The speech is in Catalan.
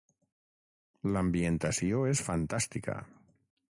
L'ambientació és fantàstica.